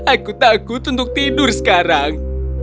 aku takut untuk tidur sekarang